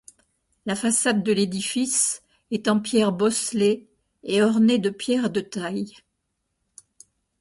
La façade de l'édifice est en pierres bosselées et ornée de pierres de taille.